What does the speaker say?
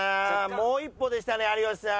もう一歩でしたね有吉さん。